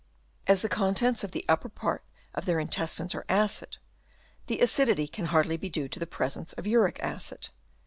As the contents of the upper part of their in testines are acid, the acidity can hardly be due to the presence of uric acid.